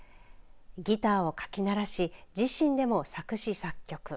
ギターをかき鳴らし自身でも作詞作曲。